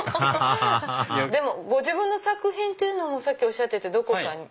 アハハハハご自分の作品っていうのもさっきおっしゃっててどこに？